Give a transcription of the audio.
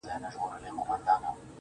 خو د انسان د ښکلا معیار نه ټاکل کیږي